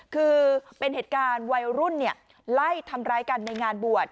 คือเป็นเหตุการณ์วัยรุ่นไล่ทำร้ายกันในงานบวช